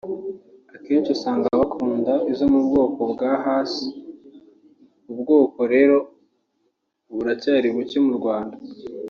Akenshi usanga bakunda izo mu bwoko bwa ‘Hass’ ubu bwoko rero buracyari buke mu Rwanda